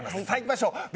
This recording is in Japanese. さあいきましょう。